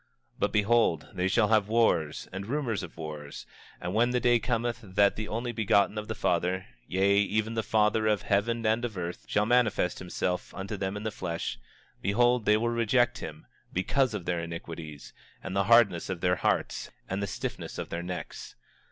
25:12 But, behold, they shall have wars, and rumors of wars; and when the day cometh that the Only Begotten of the Father, yea, even the Father of heaven and of earth, shall manifest himself unto them in the flesh, behold, they will reject him, because of their iniquities, and the hardness of their hearts, and the stiffness of their necks.